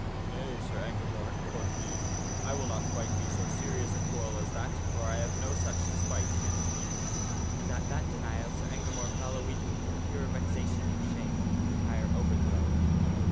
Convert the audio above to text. " Nay, Sir Engamore," quoth he, " I will not fight thee so serious a quarrel as that, for I have no such despite against thee." And at that de nial Sir Engamore fell a weeping from pure vexation and shame of his entire overthrow.